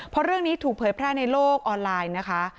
พอเรื่องนี้ถูกเผยแพร่ในโลกออนไลน์นะคะ